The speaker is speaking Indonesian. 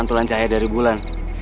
pantulan cahaya dari bulan